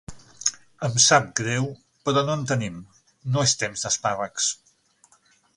Em sap greu, però no en tenim, no és temps d'espàrrecs.